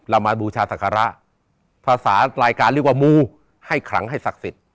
เรามาบูชาศักระภาษารายการเรียกว่ามูให้ขลังให้ศักดิ์สิทธิ